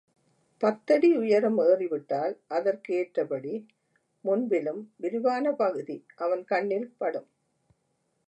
பத்தடி உயரம் ஏறிவிட்டால் அதற்கு ஏற்றபடி முன்பிலும் விரிவான பகுதி அவன் கண்ணில் படும்.